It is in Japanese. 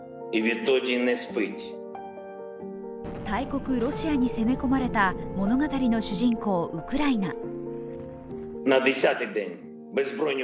大国ロシアに攻め込まれた物語の主人公・ウクライナ。